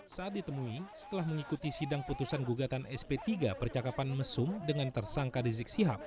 saat ditemui setelah mengikuti sidang putusan gugatan sp tiga percakapan mesum dengan tersangka rizik sihab